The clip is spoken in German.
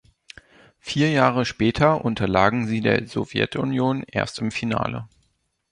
Vier Jahre später unterlagen sie der Sowjetunion erst im Finale.